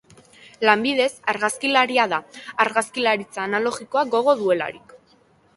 Lanbidez argazkilaria da, argazkilaritza analogikoa gogoko duelarik.